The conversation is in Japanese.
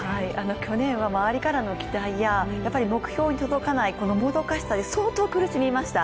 去年は周りからの期待や目標に届かないこのもどかしさで相当苦しみました。